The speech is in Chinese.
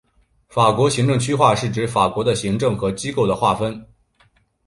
法国行政区划是指法国的行政和机构的划分。